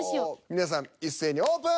皆さん一斉にオープン。